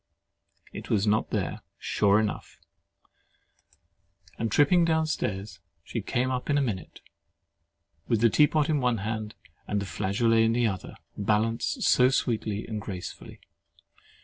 It was not there, sure enough; and tripping down stairs, she came up in a minute, with the tea pot in one hand, and the flageolet in the other, balanced so sweetly and gracefully.